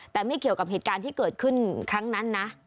แต่ไม่เกี่ยวกับเหตุการณ์ที่เกิดขึ้นครั้งนั้นนะ